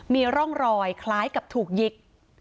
มีร่องรอยคล้ายกับถูกยิง